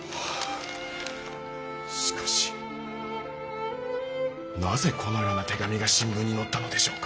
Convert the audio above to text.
しかしなぜこのような手紙が新聞に載ったのでしょうか。